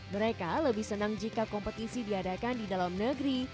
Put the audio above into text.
mereka lebih senang jika kompetisi diadakan di dalam negeri